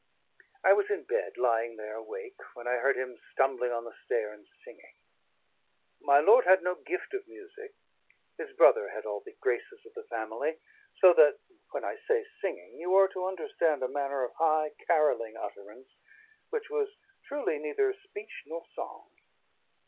I was in bed, lying there awake, when I heard him stumbling on the stair and singing. My lord had no gift of music, his brother had all the graces of the family, so that when I say singing, you are to understand a manner of high, carolling utterance, which was truly neither speech nor song.